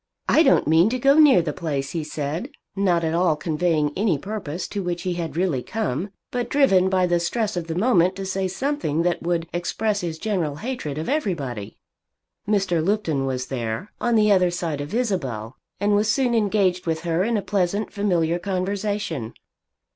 "I don't mean to go near the place," he said, not at all conveying any purpose to which he had really come, but driven by the stress of the moment to say something that should express his general hatred of everybody. Mr. Lupton was there, on the other side of Isabel, and was soon engaged with her in a pleasant familiar conversation.